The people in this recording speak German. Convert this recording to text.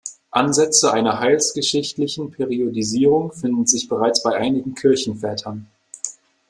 Ansätze einer heilsgeschichtlichen Periodisierung finden sich bereits bei einigen Kirchenvätern.